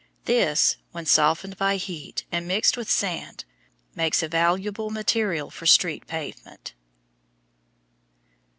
This, when softened by heat and mixed with sand, makes a valuable material for street pavement.